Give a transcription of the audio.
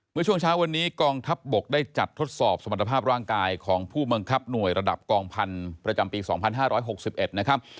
เมื่อช่วงเช้าวันนี้กองทัพบกได้จัดทดสอบสมรรถภาพร่างกายของผู้บังคับหน่วยระดับกองพันธุ์ประจำปี๒๕๖๑นะครับ